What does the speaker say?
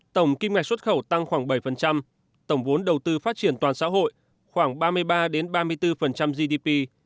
tổng kim ngạch xuất khẩu tăng khoảng bảy tổng vốn đầu tư phát triển toàn xã hội khoảng ba mươi ba ba mươi bốn gdp